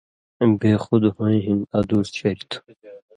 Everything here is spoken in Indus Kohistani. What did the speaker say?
بے خُد ہُوئیں ہِن ادُوس شریۡ تھُو۔